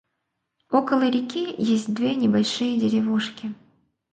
Около реки есть две небольшие деревушки.